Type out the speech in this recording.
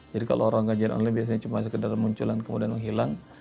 jadi kalau orang kejian online biasanya cuma sekedar munculan kemudian menghilang